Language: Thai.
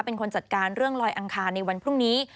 เป็นคนจัดการเรื่องลอยอังคารในวันพรุ่งนี้